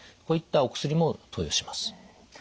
こういったお薬も投与します。